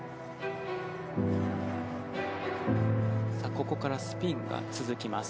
ここからスピンが続きます。